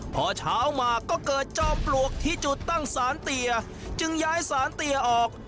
พอเช้ามาก็เกิดจอมปลวกที่จุดตั้งสารเตียจึงย้ายสารเตียออก